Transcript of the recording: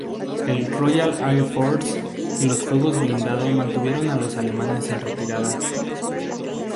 La Royal Air Force y los fuego blindado mantuvieron a los alemanes en retirada.